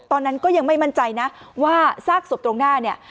ตอนนั้นก็ยังไม่มั่นใจนะว่าซากศพตรงหน้าเนี่ย